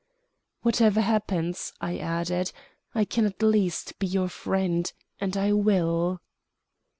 "Whatever happens," I added, "I can at least be your friend, and I will."